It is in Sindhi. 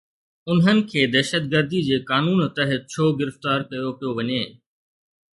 انهن کي دهشتگردي جي قانون تحت ڇو گرفتار ڪيو پيو وڃي؟